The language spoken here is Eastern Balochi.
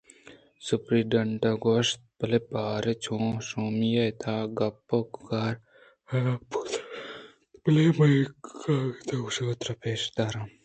سپرنٹنڈنٹءَ گوٛشت بلئے باریں چون شومی ئے تہا کپت ءُکار حراب بوت اَنت بلئے من کاگداں کشّاں ترا پیش داراں